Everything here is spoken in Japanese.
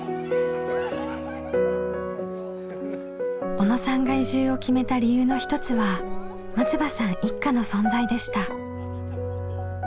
小野さんが移住を決めた理由の一つは松場さん一家の存在でした。